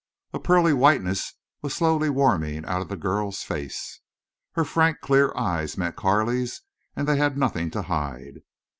A pearly whiteness was slowly warming out of the girl's face. Her frank clear eyes met Carley's and they had nothing to hide.